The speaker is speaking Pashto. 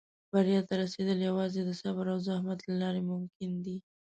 • بریا ته رسېدل یوازې د صبر او زحمت له لارې ممکن دي.